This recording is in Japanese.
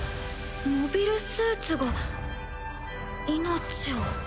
モビルスーツが命を。